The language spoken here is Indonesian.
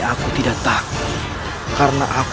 ayo kita tunggu sebentar